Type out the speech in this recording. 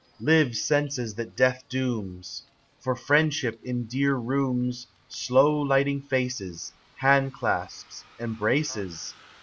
25 Live senses that death dooms! For friendship in dear rooms, Slow lighting faces, Hand clasps, embraces.